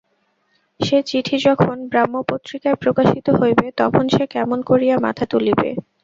সে চিঠি যখন ব্রাহ্ম-পত্রিকায় প্রকাশিত হইবে তখন সে কেমন করিয়া মাথা তুলিবে?